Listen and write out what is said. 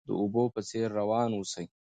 د اوبو په څیر روان اوسئ.